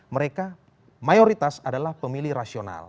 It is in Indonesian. mereka mayoritas adalah pemilih rasional